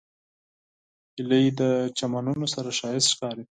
هیلۍ د چمنونو سره ښایسته ښکاري